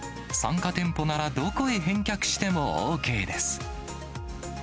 参加店舗ならどこへ返却してもＯＫです。